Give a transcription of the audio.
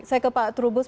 saya ke pak trubus